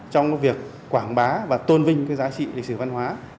trong việc quảng bá và tôn vinh cái giá trị lịch sử văn hóa